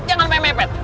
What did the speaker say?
jangan sampai mepet